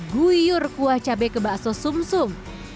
guyur kuah cabai ke bakso sum sum